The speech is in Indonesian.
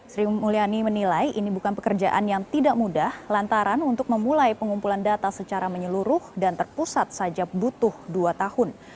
sri mulyani menilai ini bukan pekerjaan yang tidak mudah lantaran untuk memulai pengumpulan data secara menyeluruh dan terpusat saja butuh dua tahun